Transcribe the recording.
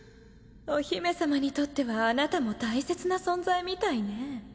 お姫様にとってはあなたも大切な存在みたいね。